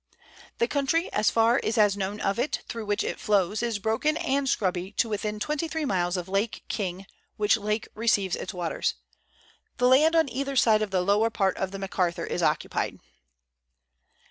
The country, as far as is known of it, through which it flows, is broken and scrubby to within twenty three miles of Lake King, which lake receives its waters. The land on either side of the lower part of the Macarthur is occupied.